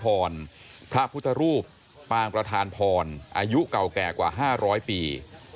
พระพุทธรูปปางประธานพรอายุเก่าแก่กว่า๕๐๐ปี